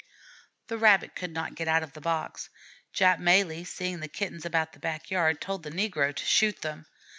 The Rabbit could not get out of the box. Jap Malee, seeing the Kittens about the back yard, told the negro to shoot them.